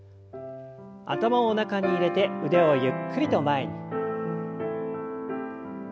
頭を中に入れて腕をゆっくりと前に。